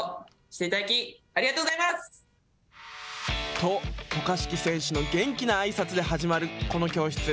と、渡嘉敷選手の元気なあいさつで始まるこの教室。